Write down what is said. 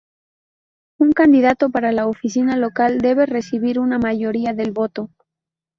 Un candidato para la oficina local debe recibir una mayoría del voto.